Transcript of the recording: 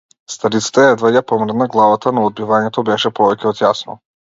Старицата едвај ја помрдна главата, но одбивањето беше повеќе од јасно.